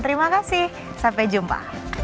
terima kasih sampai jumpa